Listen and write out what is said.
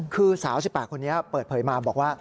คือสาว๑๘คนนี้เปิดเผยมาบอกว่า